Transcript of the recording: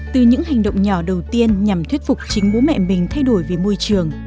từ những hành động nhỏ đầu tiên nhằm thuyết phục chính bố mẹ mình thay đổi về môi trường